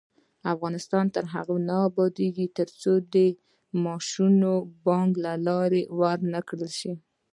افغانستان تر هغو نه ابادیږي، ترڅو معاشونه د بانک له لارې ورنکړل شي.